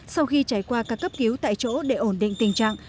sau khi trải qua các cấp cứu tại chỗ để ổn định tình trạng